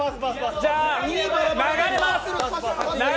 じゃあ流れます。